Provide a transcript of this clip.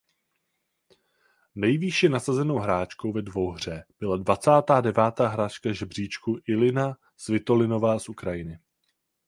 Nejvýše nasazenou hráčkou ve dvouhře byla dvacátá devátá hráčka žebříčku Elina Svitolinová z Ukrajiny.